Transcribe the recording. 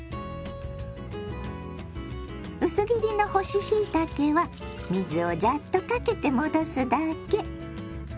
薄切りの干ししいたけは水をザッとかけて戻すだけ。